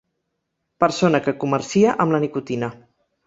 Persona que comercia amb la nicotina.